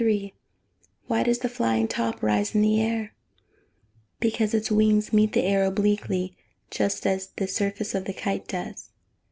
Why does the flying top rise in the air? Because its wings meet the air obliquely, just as the surface of the kite does.